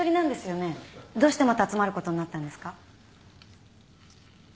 どうしてまた集まることになったんですか？